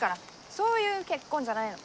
そういう結婚じゃない。